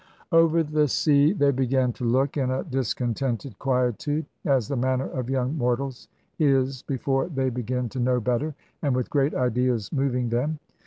Over the sea they began to look, in a discontented quietude; as the manner of young mortals is before they begin to know better, and with great ideas moving them.